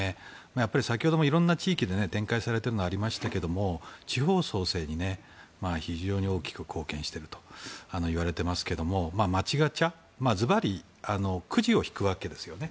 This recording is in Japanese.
やっぱり先ほども色んな地域で展開されているのがありましたが地方創生に非常に大きく貢献しているといわれていますが街ガチャずばりくじを引くわけですよね。